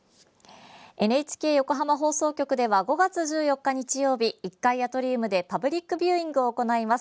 ＮＨＫ横浜放送局では５月１４日、日曜日１階アトリウムでパブリックビューイングを行います。